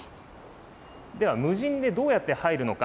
では無人でどうやって入るのか。